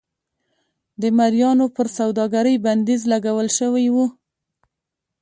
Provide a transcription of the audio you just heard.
د مریانو پر سوداګرۍ بندیز لګول شوی و.